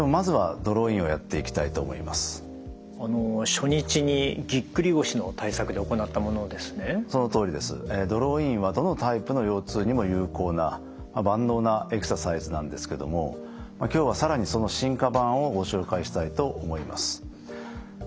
ドローインはどのタイプの腰痛にも有効な万能なエクササイズなんですけども今日は更にその進化版をご紹介したいと思います。